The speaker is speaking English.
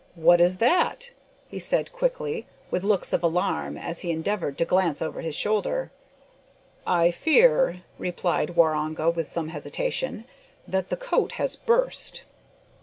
"What is that?" he said quickly, with looks of alarm, as he endeavoured to glance over his shoulder. "I fear," replied Waroonga with some hesitation, "that the coat has burst!"